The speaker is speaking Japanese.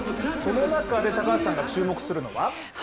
その中で高橋さんが注目するのは？